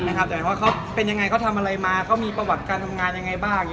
แต่ว่าเขาเป็นยังไงเขาทำอะไรมาเขามีประวัติการทำงานยังไงบ้าง